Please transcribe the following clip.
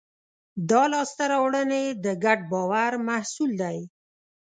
دا لاستهراوړنې د ګډ باور محصول دي.